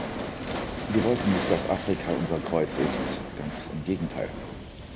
Wir wollen nicht, dass Afrika unser Kreuz ist, ganz im Gegenteil.